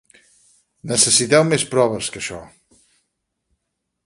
Necessiteu més proves que això.